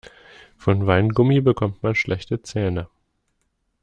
Von Weingummi bekommt man schlechte Zähne.